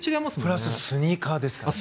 プラススニーカーです。